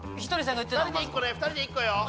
２人で１個ね。